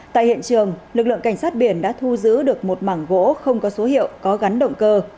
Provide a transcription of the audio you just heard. tại hiện trường lực lượng cảnh sát biển đã thu giữ được một mảng gỗ không có số hiệu có gắn động cơ